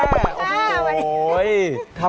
สวัสดีค่ะสวัสดีครับ